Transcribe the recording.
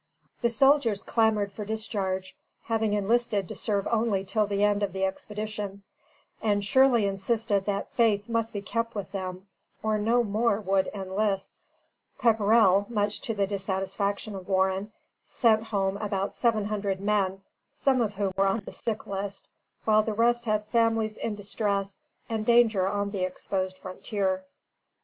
The soldiers clamored for discharge, having enlisted to serve only till the end of the expedition; and Shirley insisted that faith must be kept with them, or no more would enlist. [Footnote: Shirley to Newcastle, 27 Sept. 1745.] Pepperrell, much to the dissatisfaction of Warren, sent home about seven hundred men, some of whom were on the sick list, while the rest had families in distress and danger on the exposed frontier.